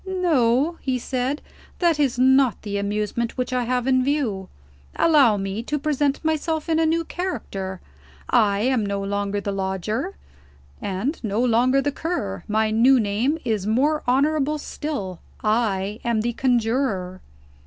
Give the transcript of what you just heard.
"No," he said, "that is not the amusement which I have in view. Allow me to present myself in a new character. I am no longer the Lodger, and no longer the Cur. My new name is more honorable still I am the Conjurer."